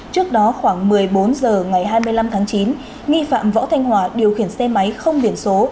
trước đó khoảng một mươi bốn h ngày hai mươi năm tháng chín nghi phạm võ thanh hòa điều khiển xe máy không biển số